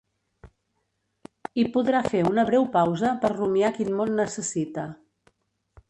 I podrà fer una breu pausa per rumiar quin mot necessita.